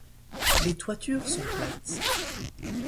Les toitures sont plates.